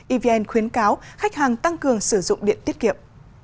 evn khuyến cáo khách hàng tăng cường sử dụng điện tiết kiệm